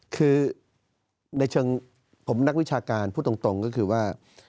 คือในเชิงผมนักวิชาการพูดตรงก็คือว่า